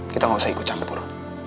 kita gak usah ikut campur